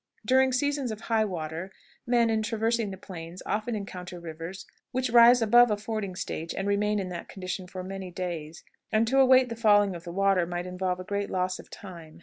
During seasons of high water, men, in traversing the plains, often encounter rivers which rise above a fording stage, and remain in that condition for many days, and to await the falling of the water might involve a great loss of time.